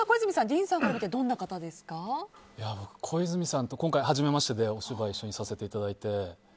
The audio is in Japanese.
ディーンさんから見て小泉さんと今回初めましてでお芝居一緒にさせていただいて。